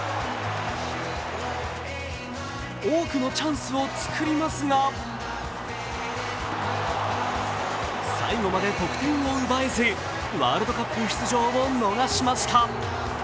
多くのチャンスを作りますが最後まで得点を奪えず、ワールドカップ出場を逃しました。